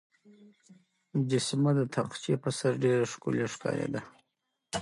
مجسمه د تاقچې په سر ډېره ښکلې ښکارېده.